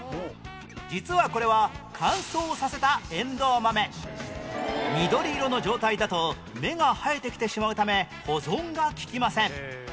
実はこれは乾燥させたえんどう豆緑色の状態だと芽が生えてきてしまうため保存が利きません